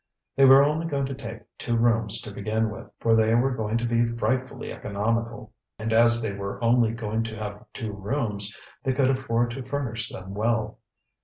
They were only going to take two rooms to begin with, for they were going to be frightfully economical. And as they were only going to have two rooms, they could afford to furnish them well.